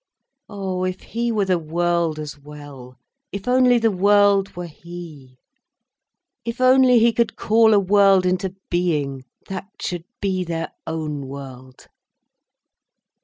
Oh, if he were the world as well, if only the world were he! If only he could call a world into being, that should be their own world!